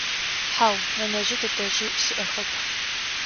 Хьау, нэнэжъи тэтэжъи сиӏэхэп.